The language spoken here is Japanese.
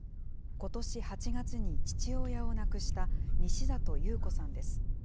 ことし８月に父親を亡くした西里優子さんです。